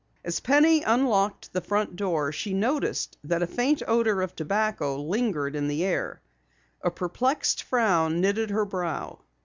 As Penny unlocked the front door, she noticed that a faint odor of tobacco lingered in the air. A perplexed frown knitted her brow.